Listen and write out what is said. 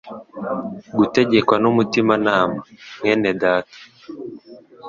gutegekwa nu mutimanama. Mwenedata